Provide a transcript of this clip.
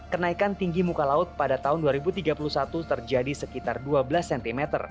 kenaikan tinggi muka laut pada tahun dua ribu tiga puluh satu terjadi sekitar dua belas cm